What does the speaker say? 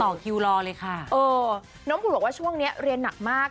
คิวรอเลยค่ะเออน้องคุณบอกว่าช่วงนี้เรียนหนักมาก